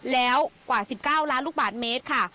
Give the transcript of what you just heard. แล้วกว่า๑๙ล้านลูกบาทเมตรค่ะ